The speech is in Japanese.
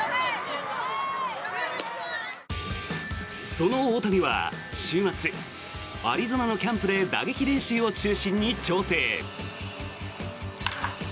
その大谷は週末アリゾナのキャンプで打撃練習を中心に調整。